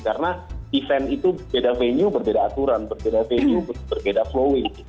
karena event itu beda venue berbeda aturan berbeda venue berbeda flowing